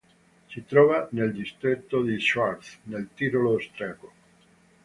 Si trova nel Distretto di Schwaz nel Tirolo austriaco.